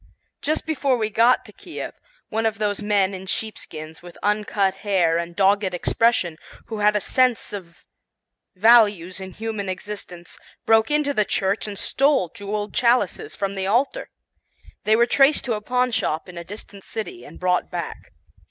Just before we got to Kiev, one of those men in sheepskins with uncut hair and dogged expression, who had a sense of values in human existence, broke into the church and stole jeweled chalices from the altar. They were traced to a pawnshop in a distant city and brought back.